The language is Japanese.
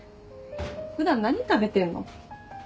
普段何食べてんの？